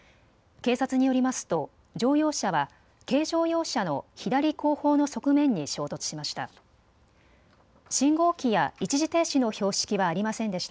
警察によりますと乗用車は軽乗用車の左後方の側面に衝突しました。